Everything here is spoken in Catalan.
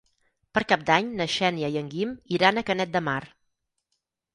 Per Cap d'Any na Xènia i en Guim iran a Canet de Mar.